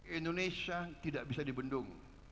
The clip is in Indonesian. indonesia tidak bisa dibendung